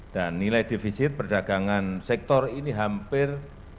dan nilai defisit perdagangan sektor ini hampir